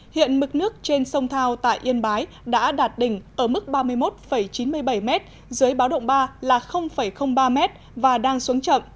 hiện mực nước trên sông thao tại yên bái đã đạt đỉnh ở mức ba mươi một chín mươi bảy m dưới báo động ba là ba m và đang xuống chậm